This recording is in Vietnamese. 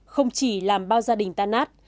không chỉ làm bao gia đình tan nát